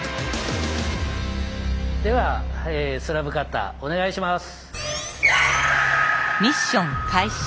ではスラブカッターお願いします！